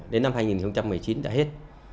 đến năm hai nghìn một mươi chín đã hết